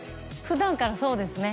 普段からそうですね